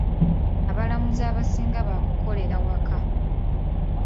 Abalamuzi abasinga baakukolera waka.